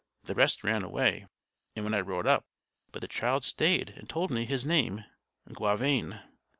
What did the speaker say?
The rest ran away when I rode up; but the child stayed, and told me his name Gauvain."